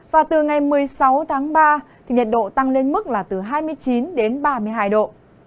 và từ ngày một mươi sáu tháng ba nhiệt độ tăng lên mức là từ hai mươi chín đến ba mươi hai độ